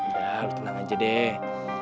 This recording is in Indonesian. ya harus tenang aja deh